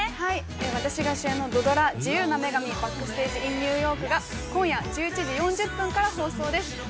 ◆私が主演の土ドラ「自由な女神―バックステージ・イン・ニューヨーク―」が今夜１１時４０分から放送です。